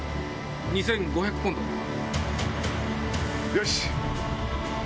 よし！